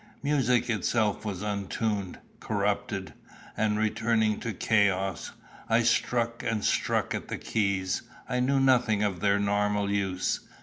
Music itself was untuned, corrupted, and returning to chaos. I struck and struck at the keys. I knew nothing of their normal use.